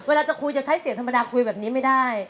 เวลาจะคุยจะใช้เสียงธรรมดาคุยแบบนี้ไม่ได้